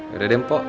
yaudah deh mpok